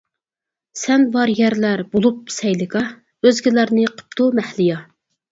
سەن بار يەرلەر بولۇپ سەيلىگاھ، ئۆزگىلەرنى قىپتۇ مەھلىيا.